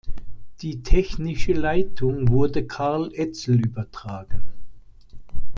Die technische Leitung wurde Karl Etzel übertragen.